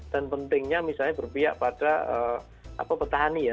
dan pentingnya misalnya berpihak pada petani ya